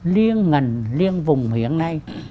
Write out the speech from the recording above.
liên ngành liên vùng hiện nay